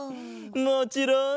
もちろん！